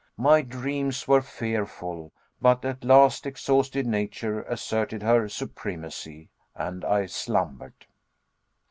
My dreams were fearful, but at last exhausted nature asserted her supremacy, and I slumbered.